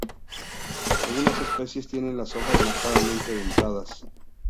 Algunas especies tienen las hojas marcadamente dentadas.